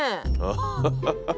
アハハハ。